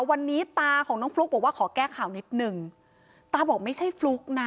วันนี้ตาของน้องฟลุ๊กบอกว่าขอแก้ข่าวนิดหนึ่งตาบอกไม่ใช่ฟลุ๊กนะ